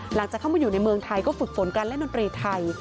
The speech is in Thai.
หลังจากเข้ามาอยู่ในเมืองไทยก็ฝึกฝนการเล่นดนตรีไทย